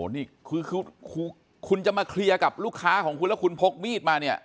นี่คือคุณจะมาเคลียร์กับลูกค้าของคุณแล้วคุณพกมีดมาเนี่ย